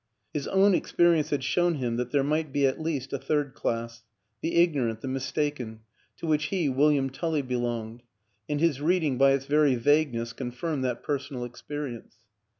His own experi ence had shown him that there might be at least a third class the ignorant, the mistaken, to which he, William Tully, belonged and his reading, by its very vagueness, confirmed that personal ex perience.